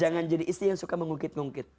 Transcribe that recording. jangan jadi istri yang suka mengungkit ngungkit